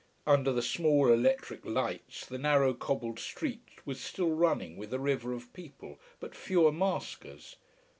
Under the small electric lights the narrow, cobbled street was still running with a river of people, but fewer maskers.